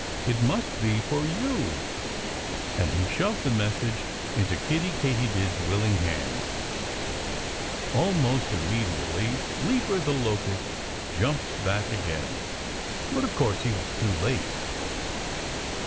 "It must be for you!" And he shoved the message into Kiddie Katydid's willing hands. Almost immediately Leaper the Locust jumped back again. But of course he was too late.